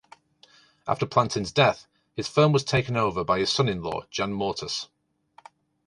After Plantin's death, his firm was taken over by his son-in-law, Jan Moretus.